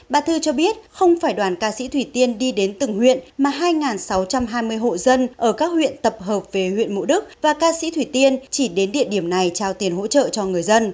bà thư cho biết không phải đoàn ca sĩ thủy tiên đi đến từng huyện mà hai sáu trăm hai mươi hộ dân ở các huyện tập hợp về huyện mộ đức và ca sĩ thủy tiên chỉ đến địa điểm này trao tiền hỗ trợ cho người dân